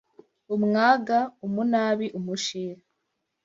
Umwaga: Umunabi, umushiha